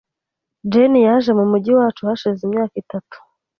Jane yaje mumujyi wacu hashize imyaka itatu .